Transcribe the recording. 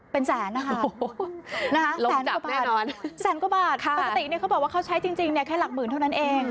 เป็นแสนค่ะแสนกว่าบาทปกติเขาบอกว่าเขาใช้จริงแค่หลักหมื่นเท่านั้นเอง